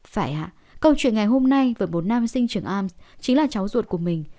phải hả câu chuyện ngày hôm nay với một nam sinh trường ams chính là cháu ruột của mình